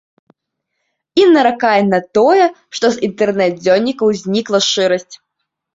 І наракае на тое, што з інтэрнэт-дзённікаў знікла шчырасць.